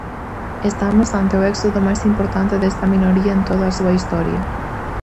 Estamos ante o éxodo mais importante desta minoría en toda a súa historia.